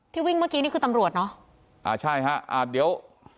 วิ่งเมื่อกี้นี่คือตำรวจเนอะอ่าใช่ฮะอ่าเดี๋ยว